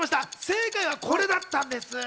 正解はこれだったんですよ。